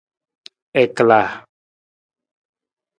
I kalaa.